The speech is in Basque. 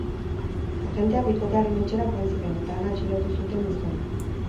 Agenteak bikotearen etxera joan ziren, eta han atxilotu zuten gizona.